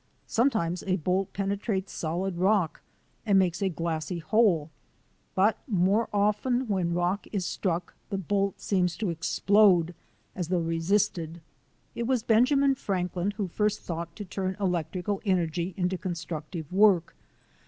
Some times a bolt penetrates solid rock and makes a glassy hole; but more often when rock is struck the bolt seems to explode as though resisted. It was Benjamin Franklin who first thought to turn electrical energy into constructive work.